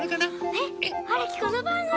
えっ。